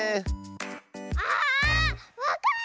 ああっわかった！